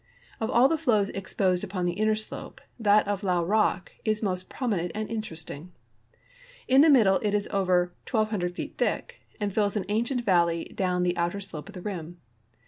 Of all the flows exposed upon the inner slope, that of Llao rock is most prominent and interesting. In tlie middle it is over 1,200 feet thick, and fills an ancient vallc}^ down the outer slope of the rim.